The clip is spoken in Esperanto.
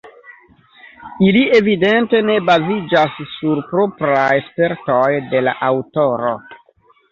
Ili evidente ne baziĝas sur propraj spertoj de la aŭtoro.